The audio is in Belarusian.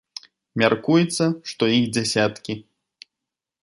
Мяркуецца, што іх дзясяткі.